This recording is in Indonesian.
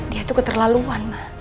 dia itu keterlaluan ma